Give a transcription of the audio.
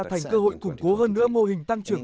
thành cơ hội củng cố hơn nữa mô hình tăng trưởng